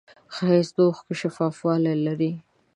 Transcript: ښایست د اوښکو شفافوالی لري